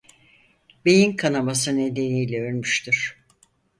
Beyin kanaması nedeniyle ölmüştür.